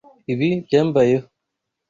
Ibi byambayeho.